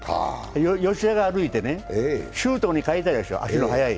吉田が歩いて周東に代えたでしょ、足の速い。